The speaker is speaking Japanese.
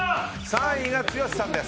３位が剛さんです。